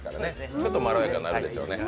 ちょっとまろやかになるでしょうね。